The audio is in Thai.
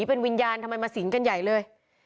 เป็นวิญญาณทำไมมาสิงกันใหญ่เลย